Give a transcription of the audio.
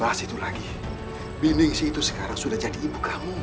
dah situ lagi bining si itu sekarang sudah jadi ibu kamu